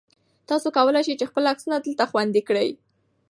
تاسو کولای شئ چې خپل عکسونه دلته خوندي کړئ.